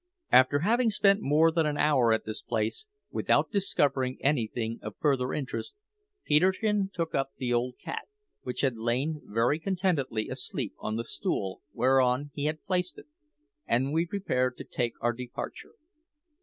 After having spent more than an hour at this place without discovering anything of further interest, Peterkin took up the old cat, which had lain very contentedly asleep on the stool whereon he had placed it, and we prepared to take our departure.